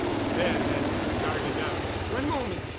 And then, as he started up, "One moment.